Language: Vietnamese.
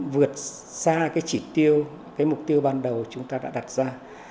vượt xa cái chỉ tiêu cái mục tiêu ban đầu chúng ta đã đặt ra